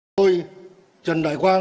xin chào quý vị và các bạn